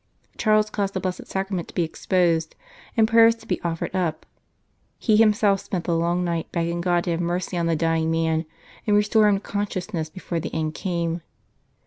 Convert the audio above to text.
Charles caused the Blessed Sacrament to be exposed and prayers to be offered up ; he himself spent the long night begging God to have mercy on the dying man, and restore him to consciousness before the end came.